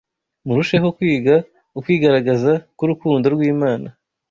Murusheho kwiga ukwigaragaza k’urukundo rw’Imana